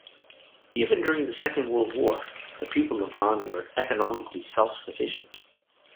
Even during the Second World War, the people of Gan were economically self-sufficient.